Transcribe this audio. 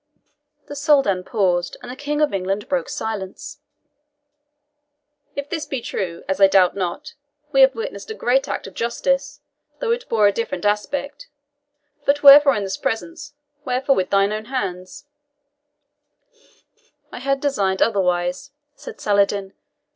The Soldan paused, and the King of England broke silence. "If this be true, as I doubt not, we have witnessed a great act of justice, though it bore a different aspect. But wherefore in this presence? wherefore with thine own hand?" "I had designed otherwise," said Saladin.